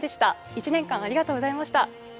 １年間ありがとうございました。